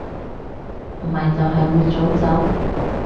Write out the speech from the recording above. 咪就係會早走